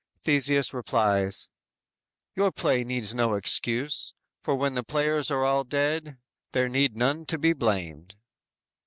Theseus replies: "_Your play needs no excuse; for when the players are all dead, There need none to be blamed!